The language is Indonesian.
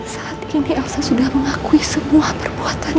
saat ini elsa sudah mengakui semua perbuatan ibu